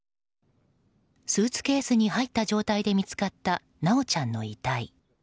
スーツケースに入った状態で見つかった修ちゃんの遺体。